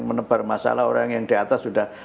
menebar masalah orang yang di atas sudah